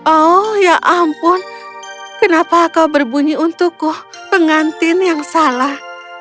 oh ya ampun kenapa kau berbunyi untukku pengantin yang salah